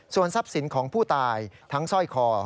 ส่วนทรัพย์สินของผู้ตายทั้งสร้อยคอ